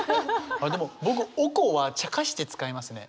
僕「おこ」はちゃかして使いますね！